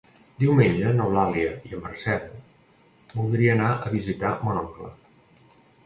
Diumenge n'Eulàlia i en Marcel voldria anar a visitar mon oncle.